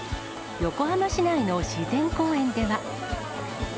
横浜市内の自然公園では。